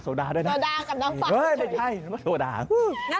โซดาด้วยนะโซดากับน้ำฝังเฉยโซดาโซดา